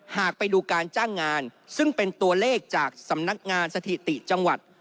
หากไปดูการจ้างงานซึ่งเป็นตัวเลขจากสำนักงานสถิติจังหวัด